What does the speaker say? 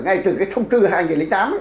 ngay từ cái thông tư hai nghìn tám ấy